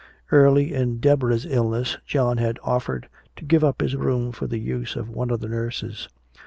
Early in Deborah's illness, John had offered to give up his room for the use of one of the nurses.